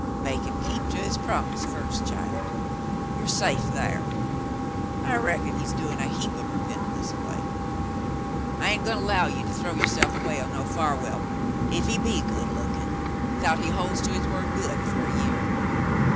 "Make him keep to his promise first, child. Yuer safe thar. I reckon he's doin' a heap o' repentin' this a way. I ain' goin' 'low you throw you'se'f away on no Farwell, ef he be good lookin', 'thout he holds to his word good fer a year.